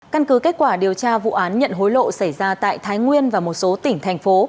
căn cứ kết quả điều tra vụ án nhận hối lộ xảy ra tại thái nguyên và một số tỉnh thành phố